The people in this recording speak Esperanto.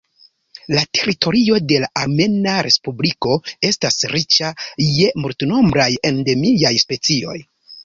La teritorio de la Armena Respubliko estas riĉa je multnombraj endemiaj specioj.